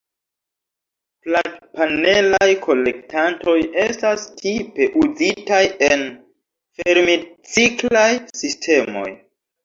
Platpanelaj kolektantoj estas tipe uzitaj en fermitciklaj sistemoj.